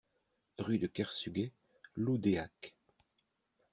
Rue de Kersuguet, Loudéac